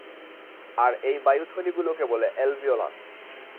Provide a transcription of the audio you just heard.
আর এই বায়ুথলিগুলোকে বলে অ্যালভিওলাস।